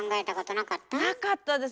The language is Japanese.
なかったです。